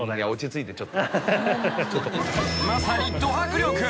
［まさにど迫力。